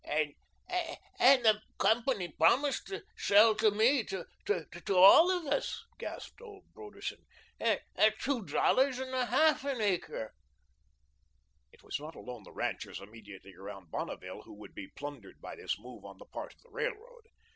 "And and the company promised to sell to me, to to all of us," gasped old Broderson, "at TWO DOLLARS AND A HALF an acre." It was not alone the ranchers immediately around Bonneville who would be plundered by this move on the part of the Railroad.